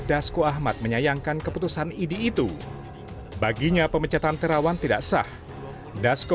dasko ahmad menyayangkan keputusan idi itu baginya pemecatan terawan tidak sah dasko